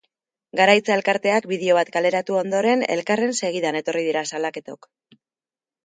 Garaitza elkarteak bideo bat kaleratu ondoren elkarren segidan etorri dira salaketok.